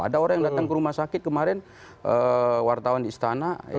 ada orang yang datang ke rumah sakit kemarin wartawan di istana